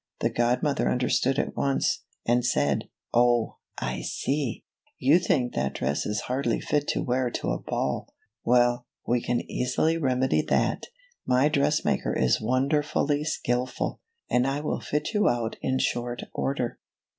The godmother understood at once, and said " Oh, I see ! You think that dress is hardly fit to wear to a ball. Well, we can easily remedy that. My dress maker is wonderfully skilful, and will fit you out in short order."